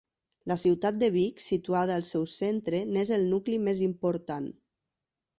La ciutat de Vic, situada al seu centre, n'és el nucli més important.